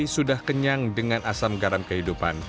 sudah kenyang dengan asam garam kehidupan